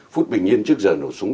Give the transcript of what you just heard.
phút bình yên trước giờ nổ súng